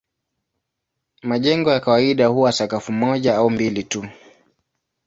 Majengo ya kawaida huwa sakafu moja au mbili tu.